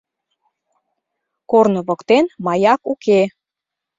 Корно воктен маяк уке.